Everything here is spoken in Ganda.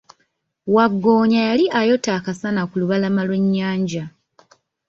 Waggoonya yali ayota akasana ku lubalama lwe nyanja.